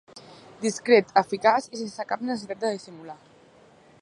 Discret, eficaç i sense cap necessitat de dissimular.